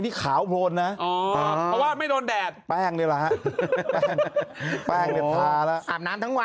น่าจะงูแมวเศร้าปะ